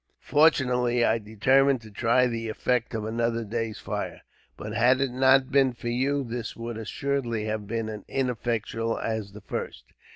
Fortunately, I determined to try the effect of another day's fire. But, had it not been for you, this would assuredly have been as ineffectual as the first.